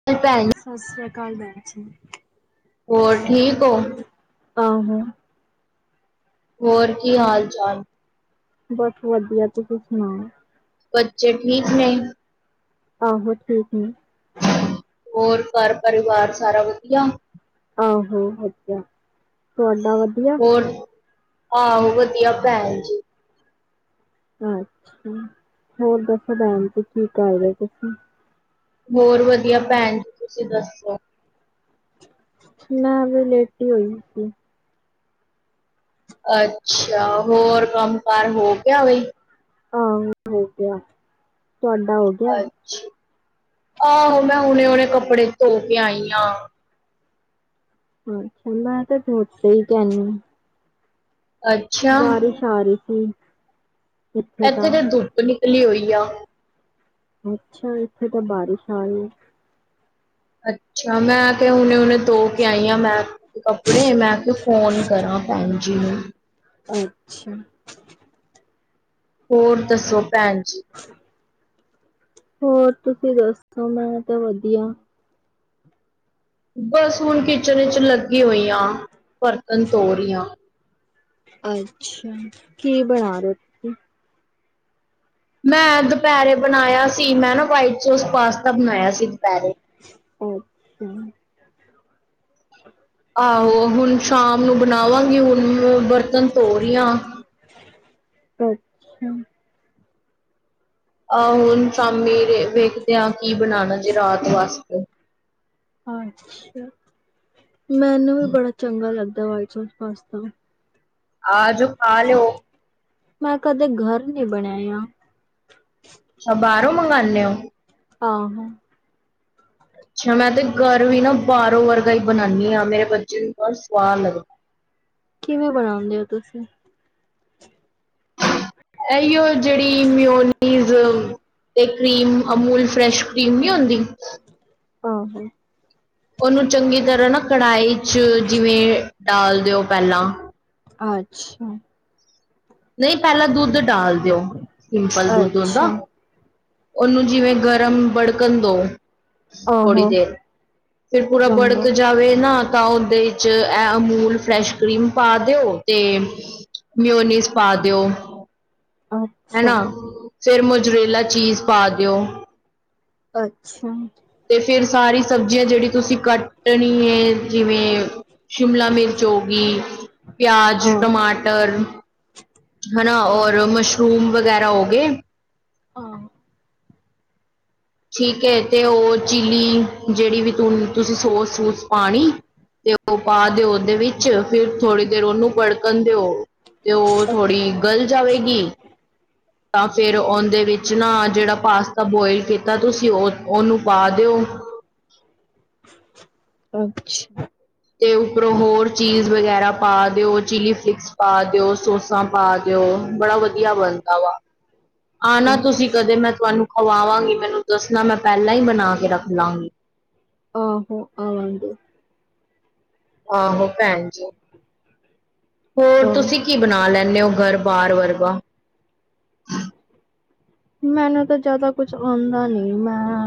[inaudible] ਸਸਰਿਆ ਕਾਲ ਮੈਡਮ ਜੀ। ਹੋਰ ਠੀਕ ਓ ਆਹੋ ਹੋਰ ਕੀ ਹਾਲ-ਚਾਲ? ਬਸ ਵਧੀਆ ਤੁਸੀ ਸੁਨਾਓ। ਬੱਚੇ ਠੀਕ ਨੇ ਆਹੋ ਠੀਕ ਨੇ ਹੋਰ ਘਰ ਪਰਿਵਾਰ ਸਾਰਾ ਵਦੀਆ ਆਹੋ ਵਦੀਆ ਤੁਹਾਡਾ ਵਦੀਆ ਆਹੋ ਵਦੀਆ ਪੈਣ ਜੀ ਅੱਛਾ ਹੋਰ ਦੱਸੋ ਪੈਣ ਜੀ ਕੀ ਕਰ ਰਹੇ ਸੀ ਤੁਸੀ ਹੋਰ ਵਦੀਆ ਪੈਣ ਜੀ ਤੁਸੀਂ ਦੱਸੋ ਮੈਂ ਵੀ ਲੇਟੀ ਹੋਈ ਸੀ ਅੱਛਾ ਹੋਰ ਕੰਮ ਕਾਰ ਹੋ ਗਿਆ ਬਈ ਹਾਂ ਹੋ ਗਿਆ ਤੁਹਾਡਾ ਹੋ ਗਿਆ ਅੱਛਾ ਆਹੋ ਮੈਂ ਹੁਨੇ ਹੁਨੇ ਕੱਪੜੇ ਧੋ ਕੇ ਆਈ ਆ ਅੱਛਾ ਮੈਂ ਤੇ [unintelligible] ਅੱਛਾ, ਬਾਰਿਸ਼ ਆ ਰਹੀ ਸੀ ਇੱਥੇ ਐਥੇ ਤਾਂ ਤੇ ਦੁੱਪ ਨਿਕਲੀ ਹੋਈ ਆ ਅੱਛਾ ਇੱਥੇ ਤਾਂ ਬਾਰਿਸ਼ ਆ ਰਹੀ ਏ ਅੱਛਾ ਮੈਂ ਤੇ ਹੁਨੇ-ਹੁਨੇ ਧੋ ਕੇ ਆਈ ਹਾਂ ਮੈਂ ਕੱਪੜੇ ਮੈਂ ਫ਼ੋਨ ਕਰਾ ਪੈਣ ਜੀ ਨੂੰ ਅੱਛਾ ਹੋਰ ਦੱਸੋ ਪੈਣ ਜੀ [unintelligible] ਹੋਰ ਤੁਸੀ ਦੱਸੋ ਮੈਂ ਤਾਂ ਵਦੀਆ ਬਸ ਹੁਨ ਕਿਚਨ ਚ ਲੱਗੀ ਹੋਈ ਆ ਬਰਤਨ ਧੋ ਰਹੀ ਆਂ ਅੱਛਾ ਕੀ ਬਨਾ ਰਹੇ ਔ ਮੈਂ ਦੁਪਹਿਰੇ ਬਨਾਇਆ ਸੀ ਮੈਂ ਨਾ ਵਾਈਟ ਸੋਸ ਪਾਸਤਾ ਬਨਾਇਆ ਸੀ ਦੁਪਹਿਰੇ ਉਹ ਆਹੋ ਹੁਨ ਸ਼ਾਮ ਨੂੰ ਬਣਾਵਾਂਗੀ ਹੁਣ ਬਰਤਨ ਧੋ ਰਹੀ ਆ ਅੱਛਾ ਆਹੋ ਹੁਨ ਸ਼ਾਮੀ ਵੇਖਦੇ ਹਾਂ ਕੀ ਬਨਾਣਾ ਜੇ ਰਾਤ ਵਾਸਤੇ ਅੱਛਾ ਮੈਨੂੰ ਵੀ ਬੜਾ ਚੰਗਾ ਲੱਗਦਾ ਵਾਈਟ ਸੌਸ ਪਾਸਤਾ ਆਜੋ ਖਾਲੋ ਮੈਂ ਕਦੇ ਘਰ ਨੀ ਬਣਾਆ ਅੱਛਾ ਬਾਹਰੋਂ ਮੰਗਾਨੇ ਔ ਆਹੋ ਅੱਛਾ ਮੈਂ ਤੇ ਘਰ ਵੀ ਨਾ ਬਾਹਾਰੋਂ ਵਰਗਾ ਹੀ ਬਨਾਣੀ ਹਾਂ ਮੇਰੇ ਬੱਚੇ ਨੂੰ ਬੜਾ ਸਵਾਦ ਲੱਗਦਾ ਕਿਵੇਂ ਬਣਾਉਂਦੇ ਹੋ ਤੁਸੀ ਇਹੀਓ ਜੇਹੜੀ ਮਿਓਨੀਜ਼ ਤੇ ਕ੍ਰੀਮ ਅਮੂਲ ਫਰੈਸ਼ ਕਰੀਮ ਨੀ ਹੁੰਦੀ ਆਹੋ ਉਹਨੂੰ ਚੰਗੀ ਤਰ੍ਹਾਂ ਨਾ ਕਢਾਈ ਚ ਜਿਵੇਂ ਡਾਲ ਦਿਓ ਪਹਿਲਾਂ ਅੱਛਾ। ਨਹੀਂ ਪਹਿਲਾਂ ਦੁੱਧ ਡਾਲ ਦਿਓ ਸਿੰਪਲ ਦੁੱਧ ਓਦਾ ਅੱਛਾ ਉਹਨੂੰ ਜਿਵੇਂ ਗਰਮ ਬੜਕਣ ਦਉ ਥੋੜੀ ਆਹੋ ਦੇਰ ਫਿਰ ਪੂਰਾ ਚੰਗਾ ਬੜਕ ਜਾਵੇ ਨਾ ਤਾਂ ਉਹਦੇ ਚ ਇਹ ਅਮਲ ਫ੍ਰੈਂਸ਼ ਕਰੀਮ ਪਾ ਦਿਉ ਤੇ ਮਿਓਨਿਸ ਪਾ ਦਿਓ ਅੱਛਾ ਹਨਾ ਫਿਰ ਮਜਰੇਲਾ ਚੀਜ਼ ਪਾ ਦਿਓ। ਅੱਛਾ। ਤੇ ਫਿਰ ਸਾਰੀ ਸਬਜ਼ੀਆਂ ਜਿਹੜੀ ਤੁਸੀਂ ਕੱਟਣੀ ਹੈ ਜਿਵੇਂ। ਸ਼ਿਮਲਾ ਮਿਰਚ ਹੋ ਗਈ ਪਿਆਜ ਆਹੋ ਟਮਾਟਰ। ਹਨਾ ਔਰ ਆਹੋ ਮਸ਼ਰੂਮ ਵਗੈਰਾ ਹੋ ਗਏ। ਹਾ। ਠੀਕ ਹੈ ਤੇ ਉਹ ਚਿਲੀ ਜਿਹੜੀ ਵੀ ਤੁਸੀਂ ਸੋਸ ਸੂਸ ਪਾਣੀ ਤੇ। ਉਹ ਪਾ ਦਿਓ ਆਹੋ ਉਹਦੇ ਵਿੱਚ। ਚ ਫਿਰ ਥੋੜ੍ਹੀ ਦੇਰ ਉਹਨੂੰ ਵੜਕਣ ਦਿਓ ਤੇ ਉਹ ਥੋੜ੍ਹੀ ਗਲ ਜਾਵੇਗੀ। ਤਾਂ ਫਿਰ ਉਹਦੇ ਵਿੱਚ ਨਾ ਜਿਹੜਾ ਪਾਸਤਾ ਬੋਇਲ ਕੀਤਾ ਤੁਸੀਂ ਉਹ ਉਹਨੂੰ ਪਾ ਦਿਓ। ਅੱਛਾ। ਤੇ ਉੱਪਰੋਂ ਹੋਰ ਚੀਜ਼ ਵਗੈਰਾ ਪਾ ਦਿਓ ਚਿਲੀ ਫਲਿਕਸ। ਪਾ ਦਿਓ ਸੋਸਾ ਪਾ ਦਿਓ ਬੜਾ ਵਧੀਆ ਬਣਦਾ ਵਾ। ਆਨਾ ਤੁਸੀਂ ਕਦੇ ਮੈਂ ਤੁਹਾਨੂੰ ਖਵਾਵਾਂਗੀ ਮੈਨੂੰ ਦੱਸਣਾ ਮੈਂ ਪਹਿਲਾਂ ਹੀ ਬਣਾ ਕੇ ਰੱਖ ਲਾਗੀ। ਆਹੋ ਆਵਾਗੇ। ਆਹੋ ਭੈਣ ਜੀ ਹੋਰ ਆਹੋ ਤੁਸੀਂ। ਕੀ ਬਣਾ ਲੈਨੇ ਉ ਘਰ ਬਾਹਰ ਵਰਗਾ। [inaudible] ਮੈਨੂੰ ਤਾਂ ਜ਼ਿਆਦਾ ਕੁਛ ਆਉਂਦਾ ਨੀ ਮੈਂ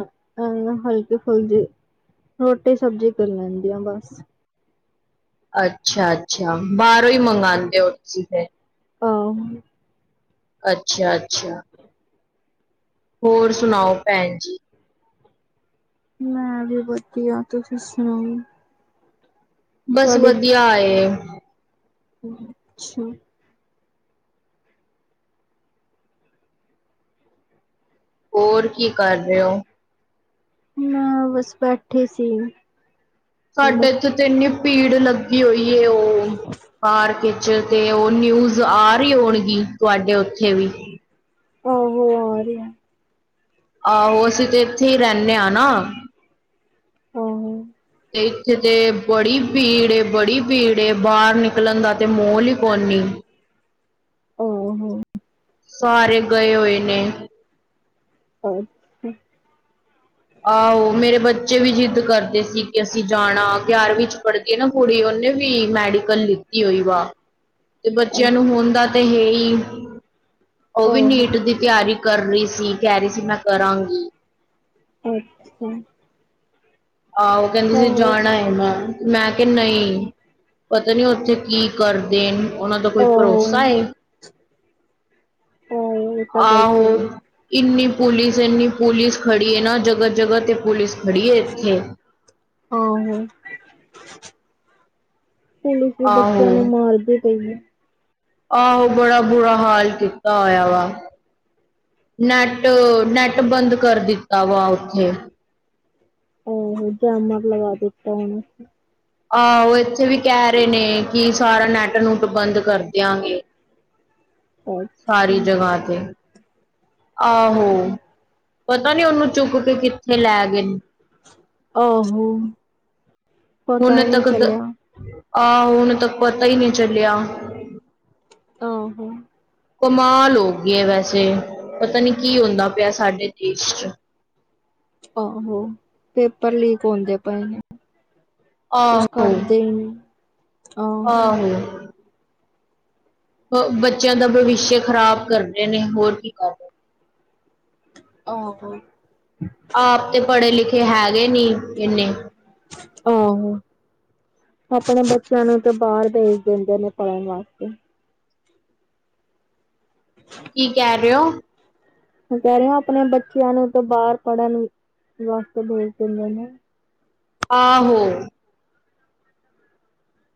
ਅਹ ਹਲਕੀ ਫੁਲਕੀ। ਰੋਟੀ ਸਬਜ਼ੀ ਕਰ ਲੈਂਦੀ ਆ ਬਸ। ਅੱਛਾ-ਅੱਛਾ ਬਾਹਰੋਂ ਹੀ ਮੰਗਵਾਉਂਦੇ ਹੋ ਤੁਸੀਂ ਫਿਰ। ਹਾਂ। ਅੱਛਾ-ਅੱਛਾ। ਹੋਰ ਸੁਣਾਓ ਭੈਣ ਜੀ। ਮੈਂ ਵੀ ਵਧੀਆ ਤੁਸੀਂ ਸੁਣਾਓ। ਬਸ ਤੁਹਾਡੇ ਵਧੀਆ ਏ। ਅੱਛਾ। ਹੋਰ ਕੀ ਕਰ ਰਹੇ ਹੋ। ਮੈਂ ਬਸ ਬੈਠੇ ਸੀ। ਸਾਡੇ ਇੱਥੇ ਤੇ ਇੰਨੀ ਭੀੜ ਲੱਗੀ ਹੋਈ ਏ ਉਹ ਪਾਰਕ। ਚ ਤੇ ਉਹ ਨਿਊਜ਼ ਆ ਰਹੀ ਹੋਣਗੀ ਤੁਹਾਡੇ ਉੱਥੇ ਵੀ। ਆਹੋ ਉਹ ਆ ਰਹੀ ਆ। ਆਹੋ ਅਸੀਂ ਤੇ ਇੱਥੇ ਹੀ ਰਹਿੰਦੇ ਹਾਂ ਨਾ ਆਹੋ ਤੇ। ਤੇ ਬੜੀ ਭੀੜ ਏ ਬੜੀ ਭੀੜ ਏ ਬਾਹਰ ਨਿਕਲਣ ਦਾ ਤੇ ਮੋਹਲ ਹੀ ਕੋਈ ਨੀ। ਆਹੋ। ਸਾਰੇ ਗਏ ਹੋਏ ਨੇ। [inaudible] ਆਹੋ ਮੇਰੇ ਬੱਚੇ ਵੀ ਜਿੱਦ ਕਰਦੇ ਸੀ ਕਿ ਅਸੀਂ ਜਾਣਾ ਗਿਆਰਵੀਂ ਚ ਪੜ੍ਹਦੇ। ਕੁੜੀ ਉਹਨੇ ਵੀ ਮੈਡੀਕਲ ਲਿੱਤੀ ਹੋਈ ਵਾ। ਤੇ ਬੱਚਿਆਂ ਨੂੰ ਹੁਣ ਦਾ ਤੇ ਹੈ ਹੀ। ਉਹ ਵੀ ਆਹੋ ਨੀਟ ਦੀ ਤਿਆਰੀ ਕਰ ਰਹੀ ਸੀ ਕਹਿ ਰਹੀ ਸੀ ਮੈਂ ਕਰਾਂਗੀ। ਅੱਛਾ। ਆਹੋ ਕਹਿੰਦੀ ਸੀ ਆਹੋ ਜਾਣਾ ਏ। ਮੈਂ ਕਿਹਾ ਨਹੀਂ ਪਤਾ ਨੀ ਉੱਥੇ ਕੀ ਕਰ ਦੇ। ਉਹਨਾਂ ਦਾ ਕੋਈ ਭਰੋਸਾ ਏ। ਓਏ ਆਹੋ, ਇੰਨੀ ਪੁਲਿਸ, ਏਨੀ ਪੁਲਿਸ ਖੜੀ ੲੇ ਨਾ ਜਗਾ-ਜਗਾ ਤੇ ਪੁਲਿਸ ਖੜੀ ਏ ਏਥੇ ਆ ਹੋ ਪੁਲਿਸ ਵੀ ਆਹੋ ਬੱਚੇਆਂ ਨੂੰ ਮਾਰਦੇ ਪਈ ਐ ਆਹੋ ਬੜਾ ਬੁਰਾ ਹਾਲ ਕੀਤਾ ਹੋਆ ਵਾ ਨੈੱਟ, ਨੈੱਟ ਬੰਦ ਕਰ ਦਿੱਤਾ ਵਾ ਓਥੇ ਓਹੋ ਜੈਮਅਪ ਲਗਾ ਦਿੱਤਾ ਹੁਣ ਆਹੋ ਏਥੇ ਵੀ ਕੈ ਰੇ ਨੇ ਕਿ ਸਾਰਾ ਨੈੱਟ ਨੂੰਟ ਬੰਦ ਕਰ ਦੇਆਗੇ ਸਾਰੀ ਅੱਛਾ ਜਗਾ ਤੇ, ਆਹੋ ਪਤਾ ਨੀ, ਉਨੂੰ ਚੁੱਕ ਕੇ ਕਿੱਥੇ ਲੈ ਗੇ ਨੇ ਆਹੋ ਪਤਾ ਹੁਣ ਹੀ ਨਹੀਂ ਤਕ ਦ, ਚੱਲਿਆ ਆਹੋ ਹੁਣ ਤਕ ਪਤਾ ਈ ਨੀ ਚੱਲੇਆ ਆਹੋ ਕਮਾਲ ਹੋ ਗੀ ਐ ਵੈਸੇ, ਪਤਾ ਨੀ ਕੀ ਹੁੰਦਾ ਪੇਆ ਸਾਡੇ ਦੇਸ਼ ਚ ਆਹੋ, ਪੇਪਰ ਲੀਕ ਹੁੰਦੇ ਪਏ ਨੇ ਕੁਛ ਆਹੋ ਕਰਦੇ ਇਨੀ ਆਹੋ ਬੱਚੇਆਂ ਦਾ ਭਵਿੱਸ਼ਯ ਖਰਾਬ ਕਰਦੇ ਨੇ, ਹੋਰ ਕੀ ਕਰ ਦੇ ਆਹੋ ਆਪ ਤੇ ਪੜੇ-ਲਿਖੇ ਹੈਗੇ ਨੀ, ਅੇਨੇ ਓਹੋ ਆਪਣੇ ਬੱਚੇਆ ਨੂੰ ਤੇ ਬੱਰ ਭੇਜ ਦਿੰਦੇ ਨੇ ਪੜਨ ਵਾਸਤੇ। [inaudible] ਕੀ ਕੈ ਰੇ ਓ ਮੈਂ ਕੈ ਰੇਆ ਅਪਣੇ ਬੱਚੇਆਂ ਨੂੰ ਤੇ ਬਾਰ ਪੜ੍ਹਨ, ਵਾਸਤੇ ਬੋਲ ਭੇਜ ਦਿੰਦੇ ਨੇ ਆਹੋ।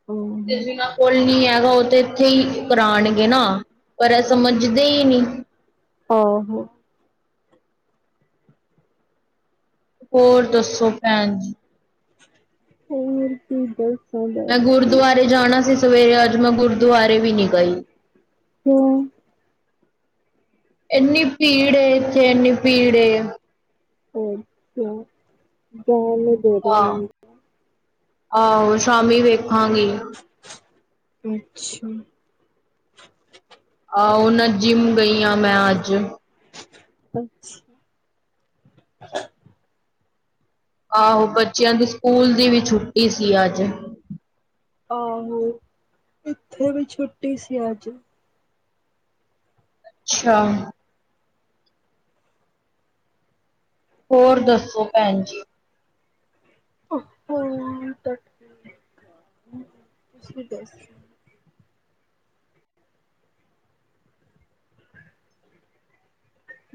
ਓ ਤੇ ਜਿਨਾਂ ਕੋਲ ਨੀ ਹੈਗਾ ਓ ਤੇ ਇੱਥੇ ਈ ਕਰਾਂਗੇ ਨਾ ਪਰ ਐ ਸਮਝਦੇ ਈ ਨੀ ਆਹੋ ਹੋਰ ਦੱਸੋ ਭੈਣ ਜੀ ਫੇਰ ਕੀ ਬਸ ਮੈ ਗੁਰਦੁਆਰੇ ਜਾਣਾ ਸੀ ਸਵੇਰੇ ਅੱਜ, ਮੈ ਗੁਰਦੁਵਾਰੇ ਵੀ ਨੀ ਗਈ। [unintelligible] ਏਨੀ ਭੀੜ ਏ, ਏਥੇ ਏਨੀ ਭੀੜ ਏ ਅੋਰ ਕਯਾ [unintelligible] ਆ, ਆਓ ਸ਼ਾਮੀ ਵੇਖਾਗੇ ਅੱਛਾ ਆਓ ਨਾ, ਜਿੰਮ ਗਈ ਆ ਮੈਂ ਅੱਜ ਅਛ ਆਹੋ ਬੱਚੇਆ ਦੀ ਸਕੂਲ ਦੀ ਵੀ ਛੁੱਟੀ ਸੀ ਅੱਜ ਆਹੋ, ਇੱਥੇ ਵੀ ਛੁੱਟੀ ਸੀ ਅੱਜ ਛਾ ਹੋਰ ਦੱਸੋ ਭੈਣ ਜੀ [unintelligible]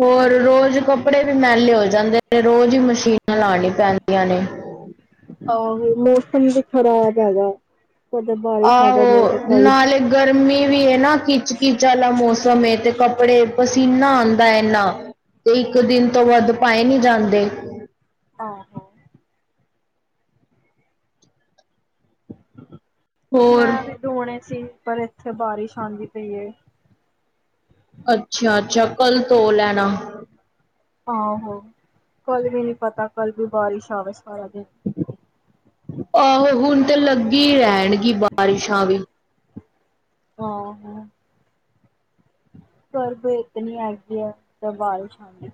ਹੋਰ ਰੋਜ਼ ਕੱਪੜੇ ਵੀ ਮੈਲੇ ਹੋ ਜਾਂਦੇ ਨੇ, ਰੋਜ਼ ਹੀ ਮਸ਼ੀਨਾਂ ਲਾਣੀਆ ਪੈਂਦੀਆਂ ਨੇ। ਹਾਂ ਮੌਸਮ ਵੀ ਖ਼ਰਾਬ ਹੈਗਾ, ਕਦੇ ਬਾਰਿਸ਼ ਆ ਆਹੋ ਜਾਂਦੀ ਕਈ ਨਾਲੇ ਗਰਮੀ ਵੀ ਏ ਨਾ, ਖਿੱਚ- ਖਿਚ ਆਲਾ ਮੌਸਮ ਏ, ਤੇ ਕੱਪੜੇ ਪਸੀਨਾ ਆਉਂਦਾ ਇਨਾ। ਕੋਈ ਇੱਕ ਦਿਨ ਤੋਂ ਵੱਧ ਪਾਏ ਨਹੀਂ ਜਾਂਦੇ। ਆਹ ਹਾਂ। ਹੋਰ ਮੈਂ ਵੀ ਦੋਣੇ ਸੀ ਪਰ ਇੱਥੇ ਬਾਰਿਸ਼ ਆਂਦੀ ਪਈਏ। ਅੱਛਾ -ਅੱਛਾ ਕੱਲ ਧੋ ਲੈਣਾ। ਆਹਾ, ਕੱਲ ਵੀ ਨੀ ਪਤਾ ਕੱਲ ਵੀ ਬਾਰਿਸ਼ ਆਵੇ ਸਾਰਾ ਦਿਨ। ਆਹੋ ਹੁਣ ਤਾਂ ਲੱਗੀ ਰਹਿਣਗੀ ਬਾਰਿਸ਼ਾਂ ਵੀ। ਹਾਂ- ਹਾਂ। ਗਰਭ ਇਤਨੀ ਹੈਗੀ ਆ ਤਾਂ ਬਾਰਿਸ਼ ਆਦੀ।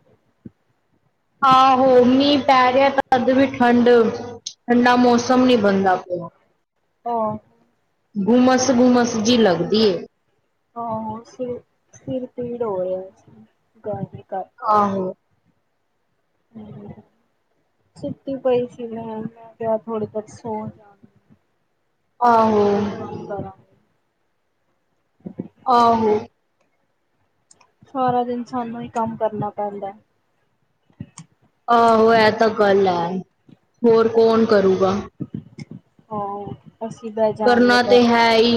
ਆਹੋ, ਮੀਂਹ ਪੈ ਰਿਹਾ ਤਾਂ ਅੱਜ ਵੀ ਠੰਡ ਇਨਾ ਮੌਸਮ ਨਹੀਂ ਬਣਦਾ ਪਿਆ। ਹਾਂ। ਗੁੰਮਸ -ਗੁੰਮਸ ਜੀ ਲਗਦੀ ਏ। ਆਹੋ, ਸਿਰ ਸਿਰ ਪੀੜ ਹੋ ਰਿਹਾ ਗਰਮੀ ਕਰਕੇ। ਆਹੋ ਹੂੰ ਸੁਤੀ ਪਈ ਸੀ ਮੈਂ, ਮੈਂ ਕਿਆ ਥੋੜਾ ਜਿਹਾ ਸੌ ਜਾ। ਆਹੋ। ਫਿਰ ਕੰਮ ਕਰਾਂਗੇ। ਆਹੋ। ਸਾਰਾ ਦਿਨ ਸਾਨੂੰ ਹੀ ਕੰਮ ਕਰਨਾ ਪੈਂਦੈ। ਆਹੋ ਇਹ ਤਾਂ ਗੱਲ ਹੈ, ਹੋਰ ਕੌਣ ਕਰੂਗਾ। ਹਾਂ। ਅਸੀਂ ਬੈ ਕਰਨਾ ਤੇ ਹੈ ਈ,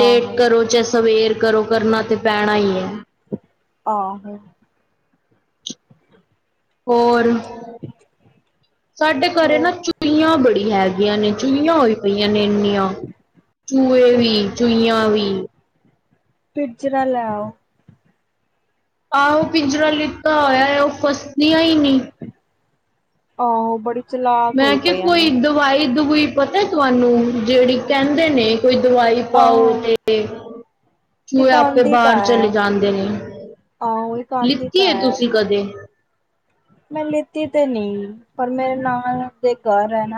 ਆਹੋ ਕਰੋ ਚਾਹੇ ਸਵੇਰ। ਕਰੋ ਕਰਨਾ ਤੇ ਪੈਣਾ ਹੀ ਏ। ਆਹੋ। ਹੋਰ ਸਾਡੇ ਘਰੇ ਨਾ ਹੋਰ ਚੁਈਆਂ ਬੜੀਆ। ਹੈਗੀਆਂ ਨੇ, ਚੂਈਆਂ ਹੋਈ ਪਈਆਂ ਨੇ ਇੰਨੀਆਂ, ਚੂਹੇ ਵੀ ਤੁਸੀਂ ਚੂਹੀਆਂ ਵੀ। ਪਿੰਜਰਾ ਲੈ ਆਉ। ਆਹੋ ਪਿੰਜਰਾ ਲਿੱਤਾ ਹੋਇਆ ਏ, ਉਹ ਫਸਦੀਆਂ ਈ ਨੀ। ਆਹੋ ਬੜੀ ਚਲਾਕ ਮੈਂ ਹੋਈ ਕਿਹਾ ਪਈਆਂ ਨੇ ਕੋਈ ਦਵਾਈ ਦੁਵਾਈ ਪਤਾ ਤੁਹਾਨੂੰ, ਜਿਹੜੀ ਕਹਿੰਦੇ ਨੇ ਕੋਈ ਦਵਾਈ ਆਹੋ ਪਾਓ ਤੇ ਚੂਹੇ ਇੱਕ ਆਪੇ ਆਂਦੀ ਤਾਂ ਬਾਹਰ ਹੈ ਚਲੇ ਜਾਂਦੇ ਨੇ, ਆਹੋ ਇੱਕ ਆਂਦੀ ਲਿਤੀਆ ਤਾਂ ਹੈ। ਏਤੁਸੀਂ ਕਦੇ? ਮੈਂ ਲਿੱਤੀ ਤੇ ਨੀ, ਪਰ ਮੇਰੇ ਨਾਲ ਦੇ ਘਰ ਹੈ ਨਾ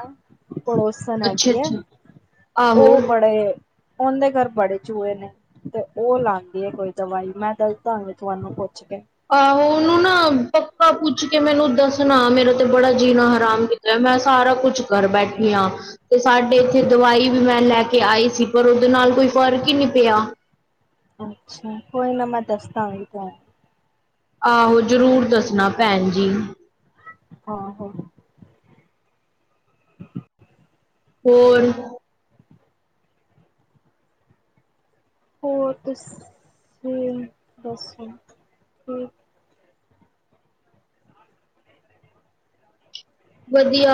ਪੜੋਸੀ ਅੱਛਾ ਹੈਗੀ ਏ, ਅੱਛਾ ਉਹ ਆਹੋ ਬੜੇ ਉਹਦੇ ਘਰ ਬੜੇ ਚੂਹੇ ਨੇ। ਤੇ ਉਹ ਲਾਦੀ ਹੈ ਕੋਈ ਦਵਾਈ, ਮੈਂ ਦੱਸ ਦਾਂਗੇ ਤੁਹਾਨੂੰ ਪੁੱਛ ਕੇ। ਆਹੋ ਉਹਨੂੰ ਨਾ ਪੱਕਾ ਪੁੱਛ ਕੇ ਮੈਨੂੰ ਦੱਸਣਾ, ਮੇਰਾ ਤੇ ਬੜਾ ਜੀਣਾ ਹਰਾਮ ਕੀਤਾ ਮੈਂ ਸਾਰਾ ਕੁਛ ਕਰ ਬੈਠੀਆ। ਤੇ ਸਾਡੇ ਉਥੇ ਦਵਾਈ ਵੀ ਮੈਂ ਲੈ ਕੇ ਆਈ ਸੀ, ਪਰ ਉਹਦੇ ਨਾਲ ਕੋਈ ਫ਼ਰਕ ਹੀ ਨਹੀਂ ਪਿਆ। ਅੱਛਾ, ਕੋਈ ਨਾ ਮੈਂ ਦੱਸਦਾ ਗੀ ਤੈਂ। ਆਹੋ, ਜ਼ਰੂਰ ਦੱਸਣਾ ਭੈਣ ਜੀ। ਹਾਂ ਹੋ। ਹੋਰ [unintelligible] ਵਧੀਆ।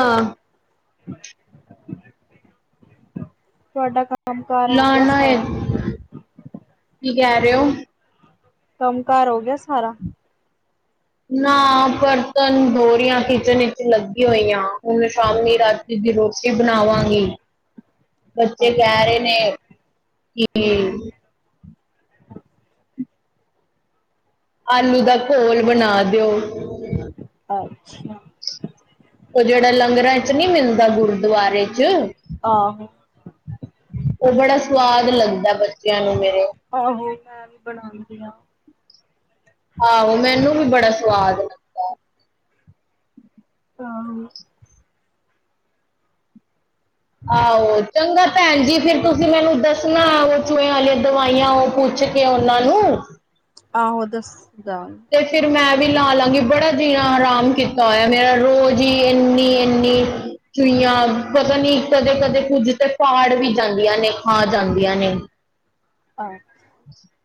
ਤੁਆਡਾ ਕੰਮ। ਕੰਮ ਕਾਰ ਹੋ ਗਿਆ ਲਾਣਾ ਹੈ ਸਾਰਾ। ਕੀ ਕਹਿ ਰਹੇ ਹੋ ਕੰਮ ਕਾਰ ਹੋ ਗਿਆ ਸਾਰਾ। ਨਾ ਬਰਤਨ ਧੋ ਰੀਆਂ ਕਿਚਨ ਵਿੱਚ ਲੱਗੀ ਹੋਈਆਂ, ਹੁਣ ਸ਼ਾਮੀ ਰਾਤ ਦੀ ਰੋਟੀ ਬਣਾਵਾਂਗੀ। ਬੱਚੇ ਕੈ ਅੱਛਾ ਰੇ ਨੇ ਕੀ ਆਲੂ ਦਾ ਘੋਲ ਬਣਾ ਦਿਓ। ਅੱਛਾ ਓ ਜੇੜਾ ਲੰਗਰਾਂ 'ਚ ਨੀ ਮਿਲਦਾ ਗੁਰਦਵਾਰੇ 'ਚ। ਆਹੋ ਓ ਬੜਾ ਸਵਾਦ ਲੱਗਦਾ ਬੱਚਿਆਂ ਨੂੰ ਮੇਰੇ। ਆਹੋ ਮੈਂ ਵੀ ਬਣਾਦੀ ਆਂ। ਆਹੋ ਮੈਨੂੰ ਵੀ ਬੜਾ ਸਵਾਦ ਲੱਗਦਾ [unintelligible] ਆਹੋ ਚੰਗਾ ਭੈਣ ਜੀ ਫੇਰ ਤੁਸੀਂ ਮੈਨੂੰ ਦੱਸਣਾ, ਓ ਚੂਇਆ ਵਾਲੀਆਂ ਦਵਾਈਆਂ ਓ ਪੁੱਛਕੇ ਕੇ ਓਨਾਂ ਨੂੰ। ਆਹੋ ਦੱਸ ਦਾਂ ਤੇ ਫੇਰ ਮੈਂ ਵੀ ਲਾ ਲਾਂਗੀ ਬੜਾ ਜੀਣਾ ਹਰਾਮ ਕੀਤਾ ਹੋਇਆ ਮੇਰਾ ਰੋਜ਼ ਈ ਏਨੀ ਏਨੀ ਚੂਈਆਂ ਪਤਾ ਨੀ ਕਦੇ ਕਦੇ ਕੁੱਝ ਤੇ ਪਾੜ ਵੀ ਜਾਂਦੀਆਂ ਨੇ ਖਾ ਜਾਂਦੀਆਂ ਨੇ। ਆ [inaudible]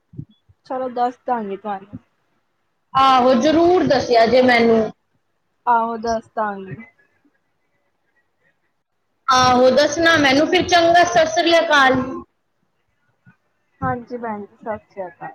ਚਲੋ ਦੱਸ ਦਾਂਗੀ ਤੁਆਨੂੰ। ਆਹੋ ਜ਼ਰੂਰ ਦੱਸਿਆ ਜੇ ਮੈਨੂੰ। ਆਹੋ ਦੱਸਦਾ ਗੀ। ਆਹੋ ਦੱਸਣਾ ਮੈਨੂੰ ਫਿਰ ਚੰਗਾ, ਸਾਸਰੀਆ ਕਾਲ। ਹਾਂਜੀ ਭੈਣ ਜੀ, ਸ਼ਾਸਰੀਆ ਕਾਲ।